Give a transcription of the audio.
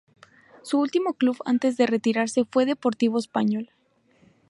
Su último club antes de retirarse fue Deportivo Español.